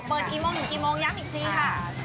เปิดกี่โมงอยู่กี่โมงยังอีกซีค่ะ